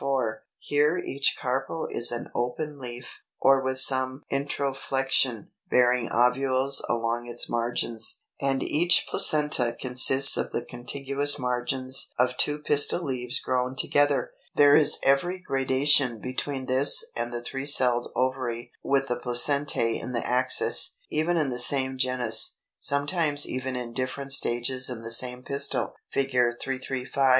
Here each carpel is an open leaf, or with some introflexion, bearing ovules along its margins; and each placenta consists of the contiguous margins of two pistil leaves grown together. There is every gradation between this and the three celled ovary with the placentæ in the axis, even in the same genus, sometimes even in different stages in the same pistil (Fig. 335, 336).